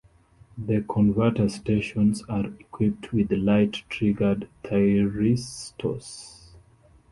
The converter stations are equipped with light triggered thyristors.